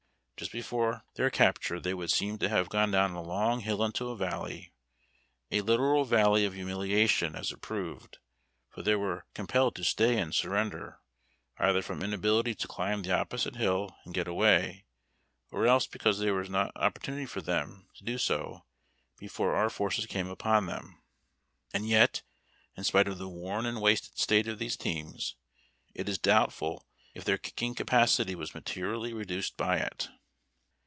Just before their capture they would seem to have gone down a long hill into a valley, a literal Valley of Humiliation as it proved, for there they were compelled to stay and surrender, either from inability to climb the opposite hill and get away, or else because there was not opportunity for them to do so before our forces came upon them. Ancl yet, in spite of the worn and wasted state of those teams, it is doubtful if their kicking capacity was materially reduced by it.